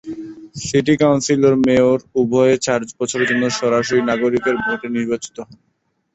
City council ও mayor উভয়ে চার বছরের জন্য সরাসরি নাগরিকের ভোটে নির্বাচিত হন।